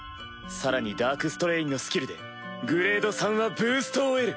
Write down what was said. さらにダークストレインのスキルでグレード３はブーストを得る！